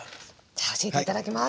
じゃ教えて頂きます。